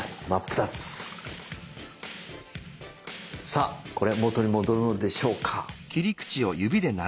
さあこれ元に戻るのでしょうか？